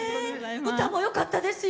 歌もよかったですよ。